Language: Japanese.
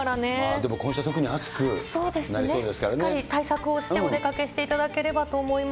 でも今週は特に暑くなりそうしっかり対策をして、お出かけをしていただければと思います。